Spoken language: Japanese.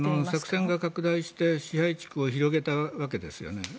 作戦が拡大して支配地区を広げたわけですよね。